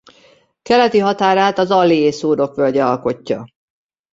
Keleti határát az Allier szurdokvölgye alkotja.